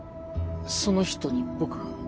その人に僕が？